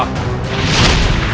tidak akan ibunda